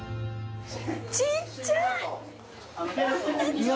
ちっちゃい！